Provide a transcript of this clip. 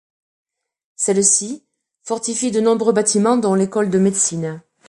Celles-ci fortifient de nombreux bâtiments dont l'école de médecine.